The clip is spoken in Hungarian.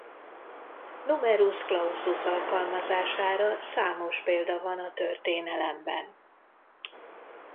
Numerus clausus alkalmazására számos példa van a történelemben.